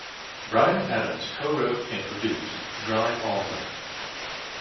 Bryan Adams cowrote and produced "Drive All Night".